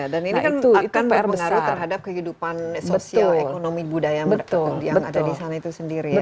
dan ini kan akan berpengaruh terhadap kehidupan sosial ekonomi budaya yang ada di sana itu sendiri ya